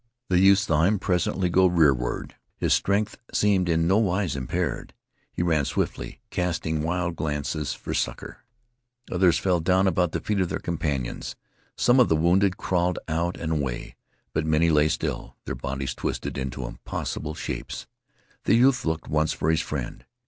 The youth saw him presently go rearward. His strength seemed in nowise impaired. He ran swiftly, casting wild glances for succor. Others fell down about the feet of their companions. Some of the wounded crawled out and away, but many lay still, their bodies twisted into impossible shapes. The youth looked once for his friend.